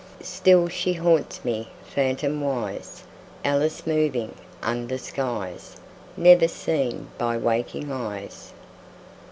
Still she haunts me, phantomwise, Alice moving under skies Never seen by waking eyes.